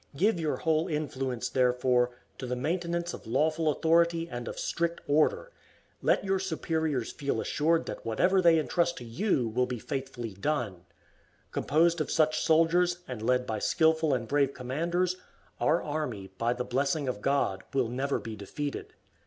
Give your whole influence, therefore, to the maintenance of lawful authority and of strict order. Let your superiors feel assured that whatever they entrust to you will be faithfully done. Composed of such soldiers, and led by skillful and brave commanders, our army, by the blessing of God, will never be defeated.